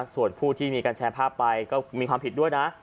ส่วนผู้ที่มีการแชร์ภาพไปก็มีความผิดด้วยนะ